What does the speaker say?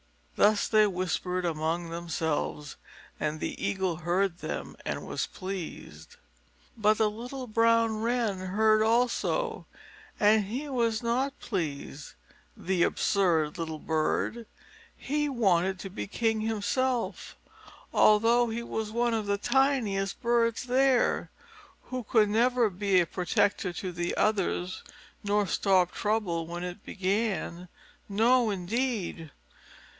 Thus they whispered among themselves, and the Eagle heard them, and was pleased. But the little brown Wren heard also, and he was not pleased. The absurd little bird! He wanted to be king himself, although he was one of the tiniest birds there, who could never be a protector to the others, nor stop trouble when it began. No, indeed!